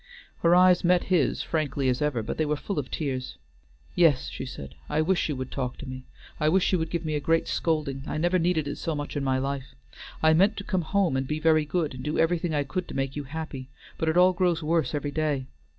Her eyes met his frankly as ever, but they were full of tears. "Yes," she said; "I wish you would talk to me. I wish you would give me a great scolding. I never needed it so much in my life. I meant to come home and be very good, and do everything I could to make you happy, but it all grows worse every day.